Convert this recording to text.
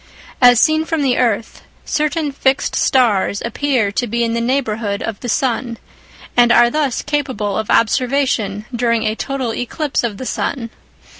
As seen from the earth, certain fixed stars appear to be in the neighbourhood of the sun, and are thus capable of observation during a total eclipse of the sun.